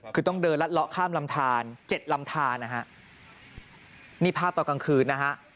คือต้องเดินลัดเลาะข้ามลำทานเจ็ดลำทานนะฮะนี่ภาพตอนกลางคืนนะฮะ